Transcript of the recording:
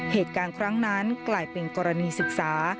เหตุการณ์ครั้งนั้นกลายเป็นกรณีศึกษา